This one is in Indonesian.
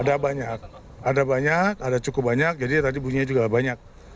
ada banyak ada banyak ada cukup banyak jadi tadi bunyinya juga banyak